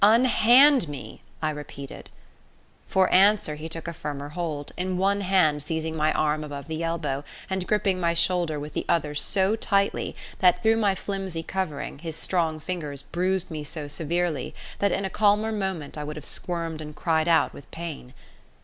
"Unhand me!" I repeated. For answer he took a firmer hold, in one hand seizing my arm above the elbow, and gripping my shoulder with the other so tightly that, through my flimsy covering, his strong fingers bruised me so severely that in a calmer moment I would have squirmed and cried out with pain.